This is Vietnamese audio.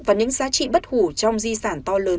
và những giá trị bất hủ trong di sản to lớn